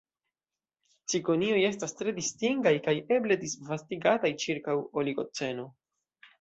Cikonioj estas tre distingaj kaj eble disvastigataj ĉirkaŭ Oligoceno.